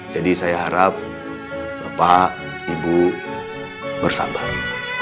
jadi saya harap bapak ibu bersabar